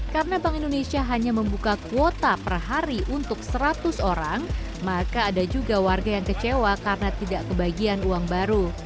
karena bank indonesia hanya membuka kuota per hari untuk seratus orang maka ada juga warga yang kecewa karena tidak kebagian uang baru